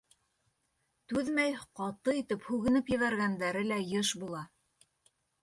Түҙмәй, ҡаты итеп һүгенеп ебәргәндәре лә йыш була.